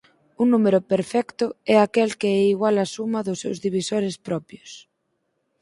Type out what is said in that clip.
Un número perfecto é aquel que é igual á suma dos seus divisores propios.